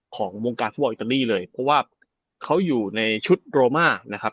ของวงการฟัวอิตาลีเลยเพราะว่าเขาอยู่ในชุดโรมา